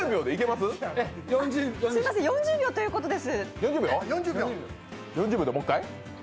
すみません、４０秒ということです。